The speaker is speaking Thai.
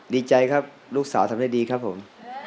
ดีใจครับลูกสาวทำได้ดีครับผม